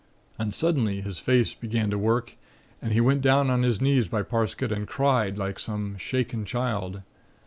And suddenly his face began to work and he went down on to his knees by Parsket and cried like some shaken child.